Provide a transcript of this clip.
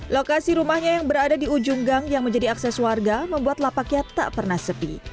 lokasi rumahnya yang berada di ujung gang yang menjadi akses warga membuat lapaknya tak pernah sepi